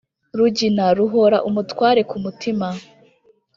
Rugina ruhora umutware ku mutima,